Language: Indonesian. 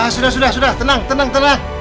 sudah sudah sudah tenang tenang tenang